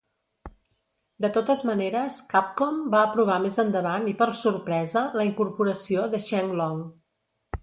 De totes maneres, Capcom va aprovar més endavant i per sorpresa la incorporació de Sheng Long.